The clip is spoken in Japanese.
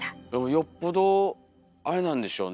よっぽどあれなんでしょうね